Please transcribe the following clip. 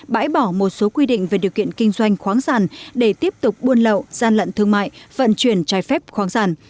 bãi bỏ một số quy định về điều kiện kinh doanh khoáng sản để tiếp tục buôn lậu gian lận thương mại vận chuyển trái phép khoáng sản